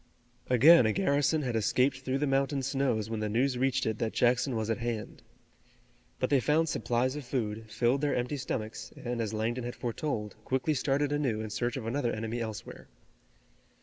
Again a garrison had escaped through the mountain snows when the news reached it that Jackson was at hand. But they found supplies of food, filled their empty stomachs, and as Langdon had foretold, quickly started anew in search of another enemy elsewhere.